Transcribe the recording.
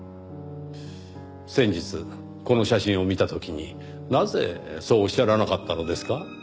先日この写真を見た時になぜそうおっしゃらなかったのですか？